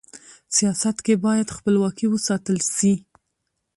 سیاست کي بايد خپلواکي و ساتل سي.